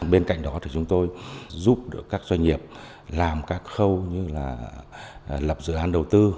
bên cạnh đó thì chúng tôi giúp đỡ các doanh nghiệp làm các khâu như là lập dự án đầu tư